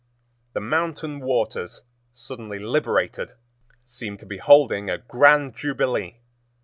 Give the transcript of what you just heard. The mountain waters, suddenly liberated, seemed to be holding a grand jubilee.